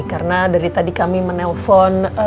karena dari tadi kami menelpon